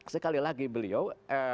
sekali lagi beliau